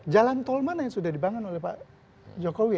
jalan tol mana yang sudah dibangun oleh pak jokowi